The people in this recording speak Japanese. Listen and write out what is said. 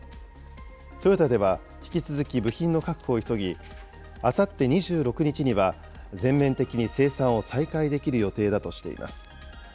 トヨタでは引き続き部品の確保を急ぎ、あさって２６日には全面的に生産を再開できる予定だとしています。